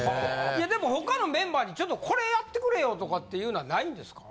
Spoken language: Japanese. でも他のメンバーにちょっとこれやってくれよとかっていうのはないんですか？